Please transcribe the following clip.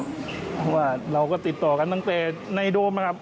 เพราะว่าเราก็ติดต่อกันตั้งแต่ในโดมนะครับ